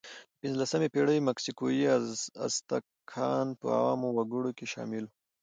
د پینځلسمې پېړۍ مکسیکويي آزتک کاهنان په عامو وګړو کې شامل وو.